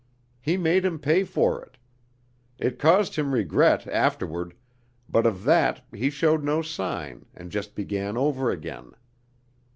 He made him pay for it. It caused him regret afterward, but of that he showed no sign and just began over again.